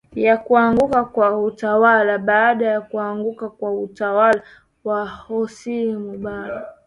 ya kuanguka kwa utawala baada ya kuanguka kwa utawala wa hosni mubarak